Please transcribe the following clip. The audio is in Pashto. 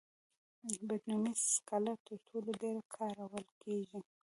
بټومینس سکاره تر ټولو ډېر کارول کېږي.